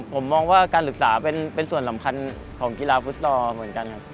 ผมมองว่าการศึกษาเป็นส่วนสำคัญของกีฬาฟุตซอลเหมือนกันครับ